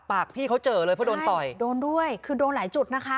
พี่เขาเจอเลยเพราะโดนต่อยโดนด้วยคือโดนหลายจุดนะคะ